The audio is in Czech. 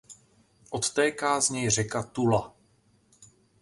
Odtéká z něj řeka Tula.